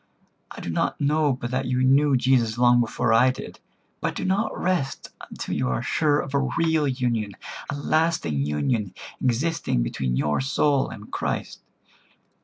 I do not know but that you knew Jesus long before I did; but do not rest until you are sure of a real union—a lasting union existing between your soul and Christ.